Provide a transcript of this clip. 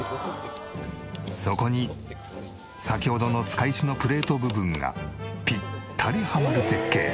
そこに先ほどの束石のプレート部分がピッタリハマる設計。